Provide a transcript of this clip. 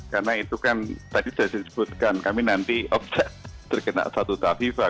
karena itu kan tadi sudah saya sebutkan kami nanti obses terkena satu tafifah